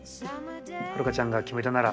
ハルカちゃんが決めたなら